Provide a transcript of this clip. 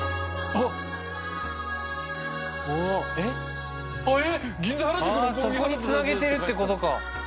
あっそこにつなげてるってことか。